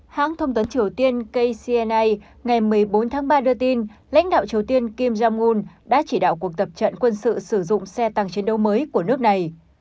hãng thông tấn triều tiên kcna ngày một mươi bốn tháng ba đưa tin lãnh đạo triều tiên kim jong un đã chỉ đạo cuộc tập trận quân sự sử dụng xe tăng chiến đấu mới của nước này